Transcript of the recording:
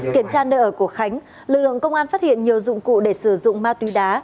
kiểm tra nơi ở của khánh lực lượng công an phát hiện nhiều dụng cụ để sử dụng ma túy đá